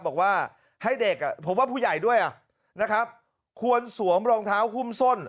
บอกว่าให้เด็กผมว่าผู้ใหญ่ด้วยนะครับควรสวมรองเท้าหุ้มส้น